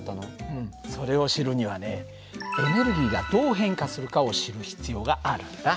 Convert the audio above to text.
うんそれを知るにはねエネルギーがどう変化するかを知る必要があるんだ。